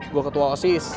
gue ketua osis